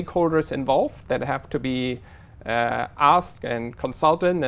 chính phủ chỉ biết là tên của công ty tàu tàu